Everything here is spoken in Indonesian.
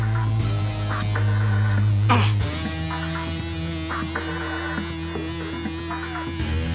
jangan luangkan jangan luangkan jangan